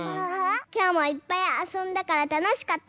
きょうもいっぱいあそんだからたのしかったね。